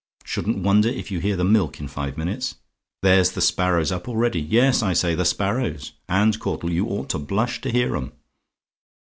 Shouldn't wonder if you hear the milk in five minutes there's the sparrows up already; yes, I say the sparrows; and, Caudle, you ought to blush to hear 'em.